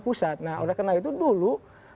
pusat nah oleh karena itu dulu